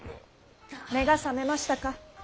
目が覚めましたか？